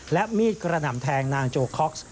และมีดกระหน่ำแทงนางโจคอกซ์